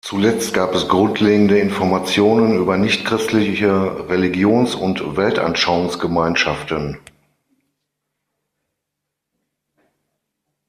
Zuletzt gab es grundlegende Informationen über nichtchristliche Religions- und Weltanschauungsgemeinschaften.